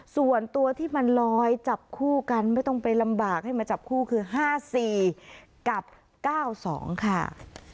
ส่วนตัวที่มันลอยจับคู่กันไม่ต้องไปลำบากให้มาจับคู่คือ๕๔กับ๙๒ค่ะ